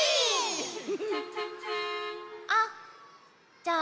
あっじゃあ